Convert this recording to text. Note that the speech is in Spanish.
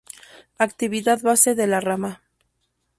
Actividad base de la rama.